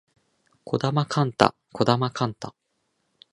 児玉幹太児玉幹太